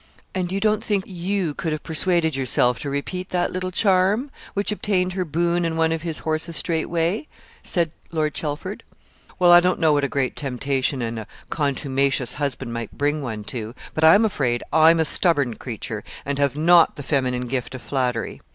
'And you don't think you could have persuaded yourself to repeat that little charm, which obtained her boon and one of his horses straightway?' said Lord Chelford. 'Well, I don't know what a great temptation and a contumacious husband might bring one to; but I'm afraid I'm a stubborn creature, and have not the feminine gift of flattery.